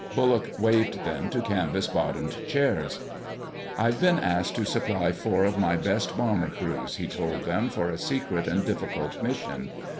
Bullock waved them to canvas bottomed chairs. "I've been asked to supply four of my best bomber crews," he told them, "for a secret and difficult mission.